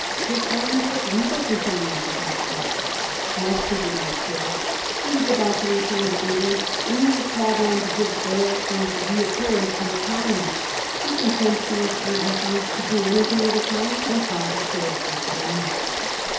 Her family took legal proceedings against him. Wesley did not care ; he was about to return to England, and he was called on to give bail for his reappearance in the colony. He contemptuously refused to do anything of the kind, and promptly sailed from Savannah.